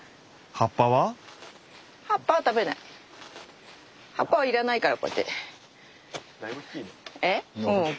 葉っぱは要らないからこうやって。